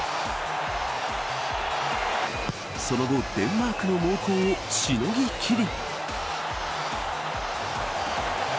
その後デンマークの猛攻をしのぎ切り。